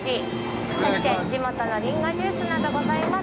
そして地元のリンゴジュースなどございます。